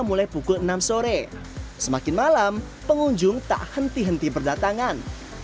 mulai pukul enam sore semakin malam pengunjung tak henti henti berdatangan